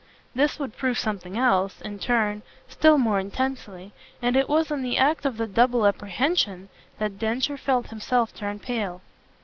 This would prove something else, in turn, still more intensely, and it was in the act of the double apprehension that Densher felt himself turn pale.